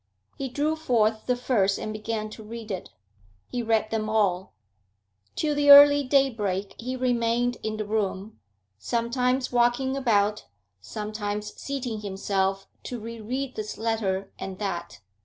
He drew forth the first and began to read it. He read them all. Till the early daybreak he remained in the room, sometimes walking about, sometimes seating himself to re read this letter and that.